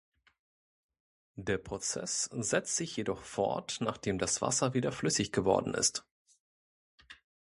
Der Prozess setzt sich jedoch fort, nachdem das Wasser wieder flüssig geworden ist.